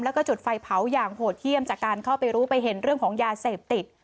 แล้วก็จุดไฟเผาอย่างโหดเยี่ยมจากการเข้าไปรู้ไปเห็นเรื่องของยาเสพติด